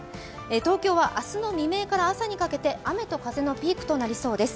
東京は明日の未明にかけて雨と風のピークになります。